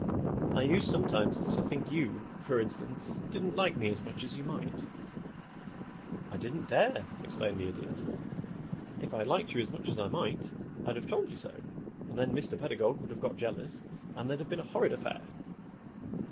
I used sometimes to think you, for instance, didn't like me as much as you might." "I didn't dare," explained the Idiot. "If I'd liked you as much as I might I'd have told you so, and then Mr. Pedagog would have got jealous and there'd have been a horrid affair."